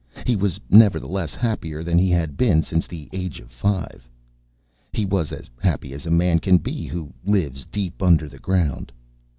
He was, nevertheless, happier than he had been since the age of five. He was as happy as a man can be who lives deep under the ground.